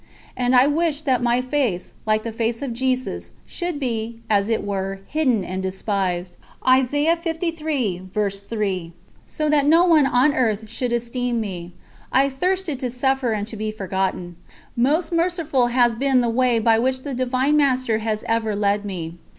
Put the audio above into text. And I wished that my face, like the Face of Jesus, "should be, as it were, hidden and despised," so that no one on earth should esteem me. I thirsted to suffer and to be forgotten. Most merciful has been the way by which the Divine Master has ever led me.